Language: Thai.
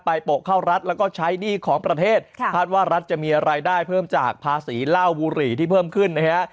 โปะเข้ารัฐแล้วก็ใช้หนี้ของประเทศค่ะคาดว่ารัฐจะมีรายได้เพิ่มจากภาษีเหล้าบุหรี่ที่เพิ่มขึ้นนะฮะ